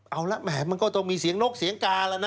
เอาละแหมมันก็ต้องมีเสียงนกเสียงกาแล้วนะ